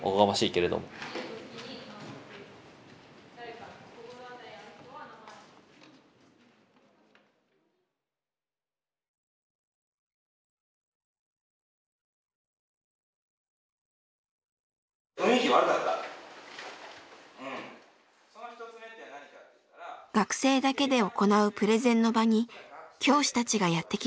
学生だけで行うプレゼンの場に教師たちがやって来ました。